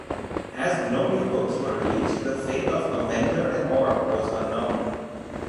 As no new books were released, the fate of Avenger and Orb was unknown.